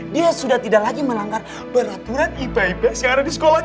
dia sudah tidak lagi melanggar peraturan iba iba yang ada di sekolah kita